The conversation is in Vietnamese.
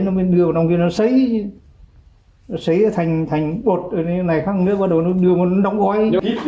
nó đưa vào trong kia nó xấy xấy thành bột này khắc nước bắt đầu nó đưa vào nó đóng gói